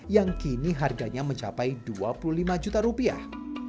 yang kini harganya mencapai dua puluh lima juta rupiah